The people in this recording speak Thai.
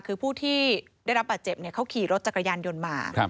คือผู้ที่ได้รับบาดเจ็บเขาขี่รถจักรยานยนต์มา